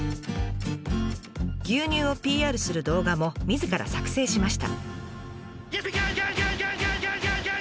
牛乳をＰＲする動画もみずから作成しました。